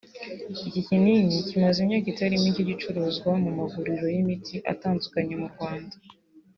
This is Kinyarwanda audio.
Iki kinini kimaze imyaka itari mike gicuruzwa mu maguriro y’imiti atandukanye mu Rwanda